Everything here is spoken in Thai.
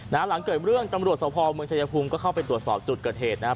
หลังเกิดเรื่องตำรวจสภเมืองชายภูมิก็เข้าไปตรวจสอบจุดเกิดเหตุนะครับ